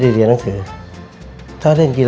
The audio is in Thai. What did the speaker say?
คุณพ่อมีลูกทั้งหมด๑๐ปี